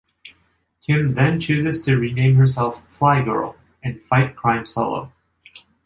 Kim then chooses to rename herself "Fly-Girl", and fight crime solo.